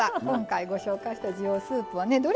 今回ご紹介した滋養スープはね